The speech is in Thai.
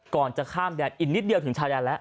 ก่อนจะข้ามแดนอีกนิดเดียวถึงชายแดนแล้ว